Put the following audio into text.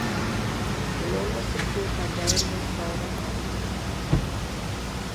The loan was secured by Derringer's Florida property.